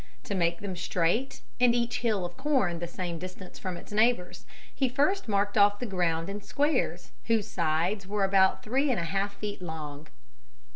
To make them straight and each hill of corn the same distance from its neighbors, he first marked off the ground in squares whose sides were about three and one half feet long.